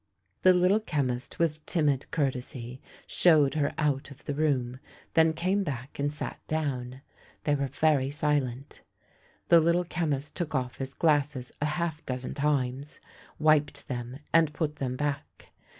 The Little Chemist, with timid courtes} , showed her out of the room, then came back and sat down. They were very silent. The Little Chemist took off his glasses a half dozen times, wiped them, and put them back.